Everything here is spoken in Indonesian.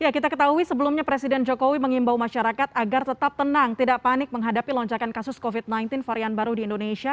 kita ketahui sebelumnya presiden jokowi mengimbau masyarakat agar tetap tenang tidak panik menghadapi lonjakan kasus covid sembilan belas varian baru di indonesia